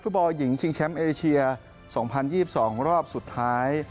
บอลหญิงชิงแชมป์เอเชีย๒๐๒๒รอบสุดท้าย